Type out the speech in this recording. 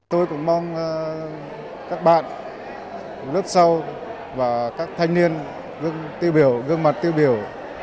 tôi cũng mong các bạn lớp sau và các thanh niên tiêu biểu gương mặt tiêu biểu